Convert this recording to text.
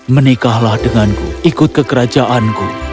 menikahlah denganku ikut kekerajaanku